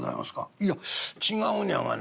「いや違うねやがな。